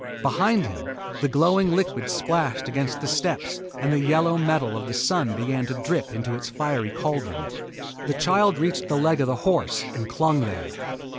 Behind him, the glowing liquid splashed against the steps and the yellow metal of the Sun began to drip into its fiery cauldron. The child reached the leg of the horse and clung there.